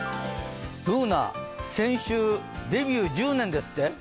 Ｂｏｏｎａ、先週デビュー１０年ですって。